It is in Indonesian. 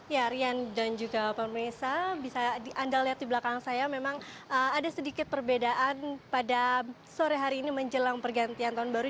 ya rian dan juga pemirsa bisa anda lihat di belakang saya memang ada sedikit perbedaan pada sore hari ini menjelang pergantian tahun baru